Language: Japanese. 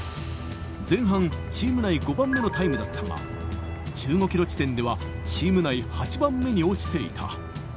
前半、チーム内５番目のタイムだったが、１５キロ地点ではチーム内８番目に落ちていた。